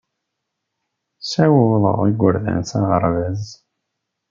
Ssawḍeɣ igerdan s aɣerbaz.